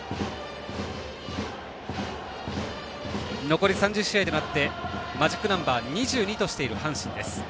残り３０試合になってマジックナンバー２２としている阪神です。